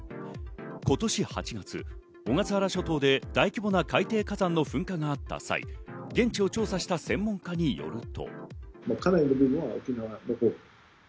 今年８月、小笠原諸島で大規模な海底火山の噴火があった際、現地を調査した専門家によると。